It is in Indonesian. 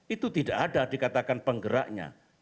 itu tidak ada dikatakan penggeraknya